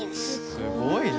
すごいな！